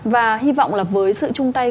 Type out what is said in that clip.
và hy vọng là với sự chung tay